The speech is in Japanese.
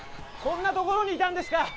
こんな所にいたんですか。